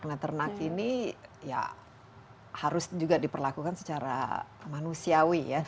nah ternak ini ya harus juga diperlakukan secara manusiawi ya